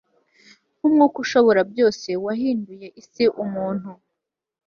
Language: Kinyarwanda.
Nkumwuka Ushoborabyose wahinduye isi umuntu